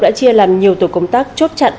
đã chia làm nhiều tổ công tác chốt chặn